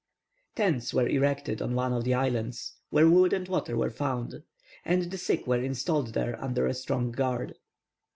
Tents were erected on one of the islands, where wood and water were found, and the sick were installed there under a strong guard.